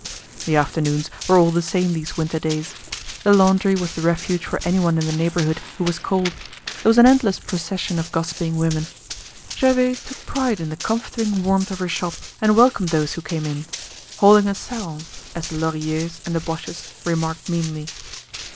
The afternoons were all the same these winter days. The laundry was the refuge for anyone in the neighborhood who was cold. There was an endless procession of gossiping women. Gervaise took pride in the comforting warmth of her shop and welcomed those who came in, "holding a salon," as the Lorilleuxs and the Boches remarked meanly.